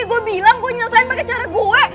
gue bilang gue nyelesain pake cara gue